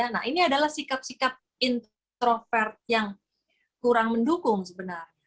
nah ini adalah sikap sikap introvert yang kurang mendukung sebenarnya